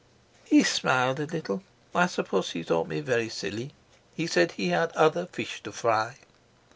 "He smiled a little. I suppose he thought me very silly. He said he had other fish to fry."